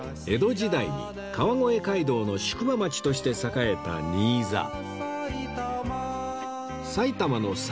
江戸時代に川越街道の宿場町として栄えた新座